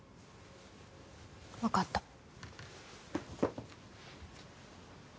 わかった。